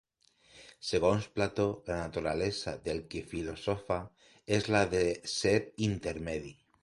Segons Plató, la naturalesa del qui filosofa és la de ser intermedi.